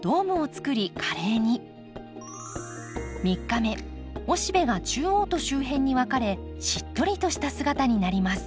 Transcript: ３日目雄しべが中央と周辺に分かれしっとりとした姿になります。